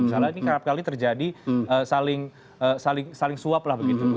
misalnya ini kerap kali terjadi saling suap lah begitu bu